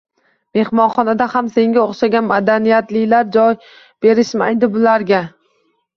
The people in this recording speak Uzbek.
– Mehmonxonada ham senga o’xshagan madaniyatlilar joy berishmaydi bularga!